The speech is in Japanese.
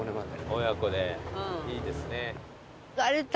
親子でいいですね。